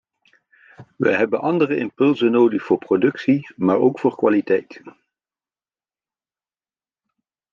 We hebben andere impulsen nodig voor productie, maar ook voor kwaliteit.